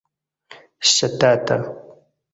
ŝtata